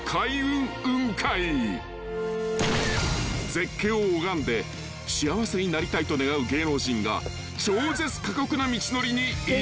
［絶景を拝んで幸せになりたいと願う芸能人が超絶過酷な道のりに挑む］